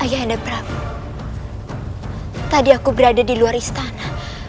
ayah anda prabu tadi aku berada di luar istana